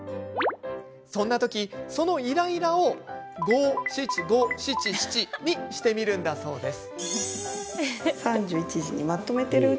そんな時、そのイライラを５７５７７にしてみるんだそうです。